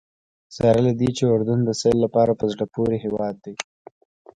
سره له دې چې اردن د سیل لپاره په زړه پورې هېواد دی.